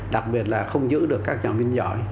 đặc biệt là không giữ được các giảng viên giỏi